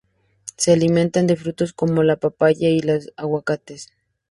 Se alimentan de frutos como la papaya y los aguacates.